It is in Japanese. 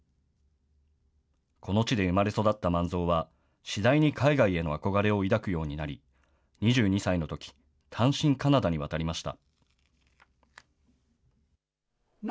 この地で生まれ育った萬蔵は、次第に海外への憧れを抱くようになり、２２歳のとき、単身カナダに渡りました。